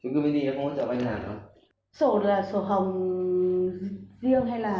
chúng cư mini nó không hỗ trợ vay ngân hàng đâu